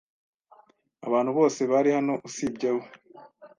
Abantu bose bari hano usibye we.